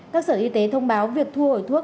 các sở y tế thông báo việc thu hồi thuốc